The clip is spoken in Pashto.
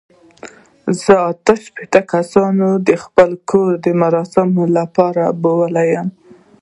زه اته شپېته کسان د خپل کور د مراسمو لپاره بللي یم.